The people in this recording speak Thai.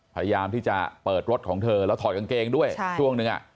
พยายามที่จะเปิดรถของเธอแล้วถอดกางเกงด้วยช่วงหนึ่งอ่ะ